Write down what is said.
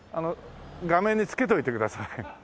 画面につけといてください。